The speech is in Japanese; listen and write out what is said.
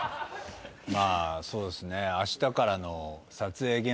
まあそうですね。